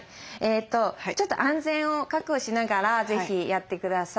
ちょっと安全を確保しながら是非やってください。